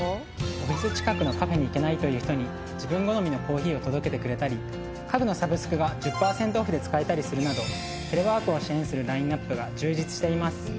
オフィス近くのカフェに行けないという人に自分好みのコーヒーを届けてくれたり家具のサブスクが１０パーセントオフで使えたりするなどテレワークを支援するラインアップが充実しています。